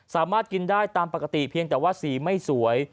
สามารถกินได้ตามปกติเพียงแต่ว่าสีไม่สวย